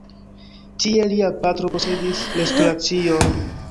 Tie lia patro posedis restoracion.